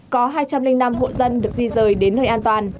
có hai trăm linh năm hộ dân được di rời đến nơi an toàn